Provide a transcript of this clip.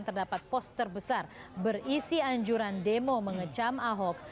terdapat poster besar berisi anjuran demo mengecam ahok